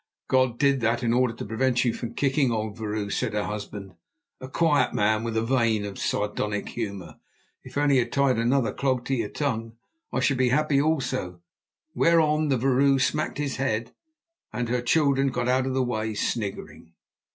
"God did that in order to prevent you from kicking, old vrouw," said her husband, a quiet man with a vein of sardonic humour. "If only He had tied another clog to your tongue, I should be happy also"; whereon the vrouw smacked his head and her children got out of the way sniggering.